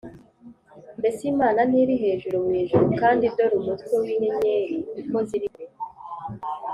“mbese imana ntiri hejuru mu ijuru’ kandi dore umutwe w’inyenyeri uko ziri kure